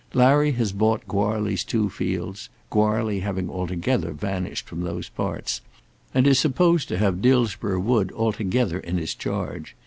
Larry has bought Goarly's two fields, Goarly having altogether vanished from those parts, and is supposed to have Dillsborough Wood altogether in his charge.